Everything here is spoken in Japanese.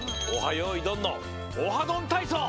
よいどん」の「オハどんたいそう」！